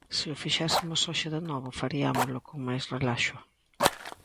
Se o fixésemos hoxe de novo, fariámolo con máis relaxo.